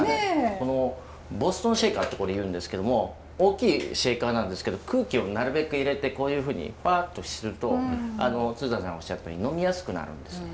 このボストンシェーカーってこれいうんですけども大きいシェーカーなんですけど空気をなるべく入れてこういうふうにファッとすると鶴田さんがおっしゃったように呑みやすくなるんですね。